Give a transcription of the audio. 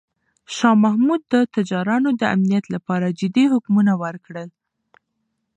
شاه محمود د تجارانو د امنیت لپاره جدي حکمونه ورکړل.